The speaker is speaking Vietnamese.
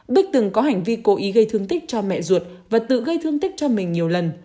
bích từng có hành vi cố ý gây thương tích cho mẹ ruột và tự gây thương tích cho mình nhiều lần